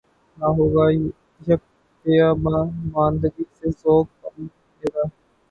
نہ ہوگا یک بیاباں ماندگی سے ذوق کم میرا